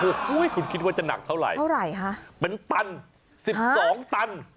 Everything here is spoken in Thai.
โอ้โหคุณคิดว่าจะหนักเท่าไหร่เท่าไหร่คะเป็นตัน๑๒ตัน